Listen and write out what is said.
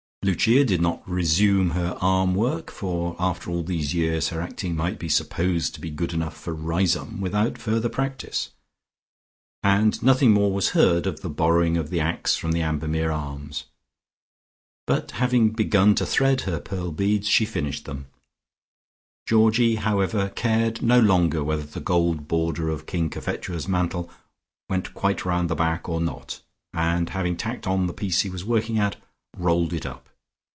Lucia did not resume her arm work, for after all these years her acting might be supposed to be good enough for Riseholme without further practice, and nothing more was heard of the borrowing of the axe from the Ambermere Arms. But having begun to thread her pearl beads, she finished them; Georgie, however, cared no longer whether the gold border of King Cophetua's mantle went quite round the back or not, and having tacked on the piece he was working at, rolled it up.